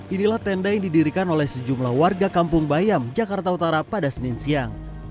inilah tenda yang didirikan oleh sejumlah warga kampung bayam jakarta utara pada senin siang